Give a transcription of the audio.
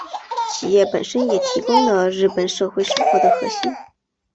企业本身也提供了日本社会生活的核心。